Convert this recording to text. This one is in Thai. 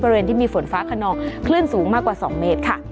เปิดเล่นที่มีฝนฟ้าขนอกขึ้นสูงมากกว่า๒เมตร